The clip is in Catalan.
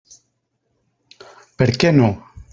Per què no?